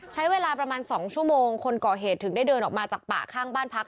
ใช้เวลาประมาณ๒ชั่วโมงคนก่อเหตุถึงได้เดินออกมาจากป่าข้างบ้านพัก